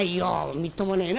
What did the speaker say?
みっともねえな。